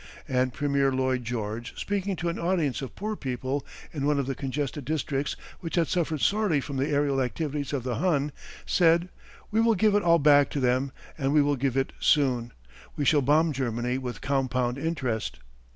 And Premier Lloyd George, speaking to an audience of poor people in one of the congested districts which had suffered sorely from the aërial activities of the Hun, said: "We will give it all back to them, and we will give it soon. We shall bomb Germany with compound interest."